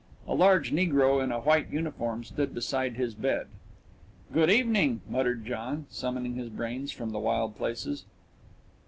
A large negro in a white uniform stood beside his bed. "Good evening," muttered John, summoning his brains from the wild places.